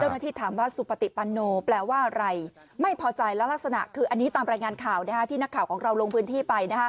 บวชเรียนเป็นพระศกมากว่า๒๐ปี